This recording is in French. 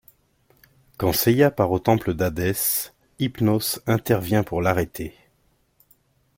Quand Seiya part au temple d’Hadés, Hypnos intervient pour l’arrêter.